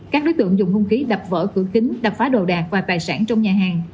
các đối tượng dùng hung khí đập vỡ cửa kính đập phá đồ đạc và tài sản trong nhà hàng